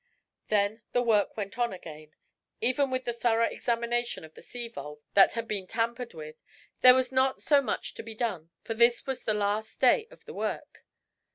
Then the work went on again. Even with the thorough examination of the sea valve that had been, tampered with, there was not so much to be done, for this was the last day of the work.